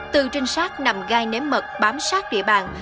từ trinh sát nằm gai nếm mật bám sát địa bàn